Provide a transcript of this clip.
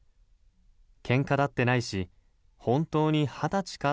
けんかだってないし本当に二十歳か？